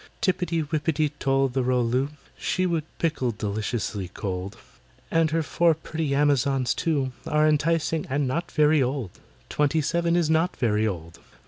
"TIPPY WIPPITY TOL THE ROL LOO, She would pickle deliciously cold— And her four pretty Amazons, too, Are enticing, and not very old— Twenty seven is not very old.